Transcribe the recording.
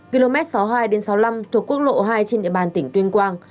km sáu mươi hai sáu mươi năm thuộc quốc lộ hai trên địa bàn tỉnh tuyên quang